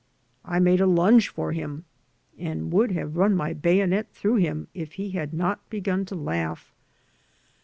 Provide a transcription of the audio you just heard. I made a lunge for him, and would have run my bayonet through him if he had not begun to laugh.